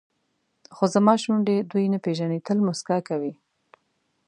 خو زما شونډې دوی نه پېژني تل موسکا کوي.